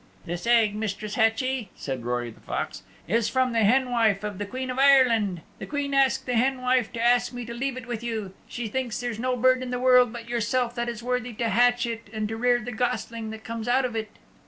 "This egg, Mistress Hatchie," said Rory the Fox, "is from the Hen wife of the Queen of Ireland. The Queen asked the Hen wife to ask me to leave it with you. She thinks there's no bird in the world but yourself that is worthy to hatch it and to rear the gosling that comes out of it."